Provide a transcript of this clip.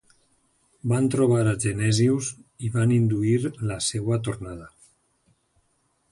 Van trobar a Genesius i van induir la seva tornada.